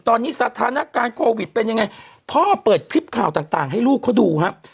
ตอนนี้สถานการณ์โควิดเป็นยังไงพ่อเปิดคลิปข่าวต่างให้ลูกเขาดูครับ